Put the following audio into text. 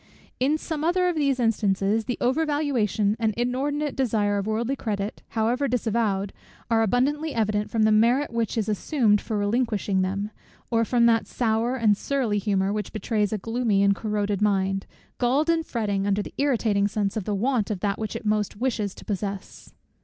In some other of these instances, the over valuation and inordinate desire of worldly credit, however disavowed, are abundantly evident, from the merit which is assumed for relinquishing them; or from that sour and surly humour, which betrays a gloomy and a corroded mind, galled and fretting under the irritating sense of the want of that which it most wishes to possess.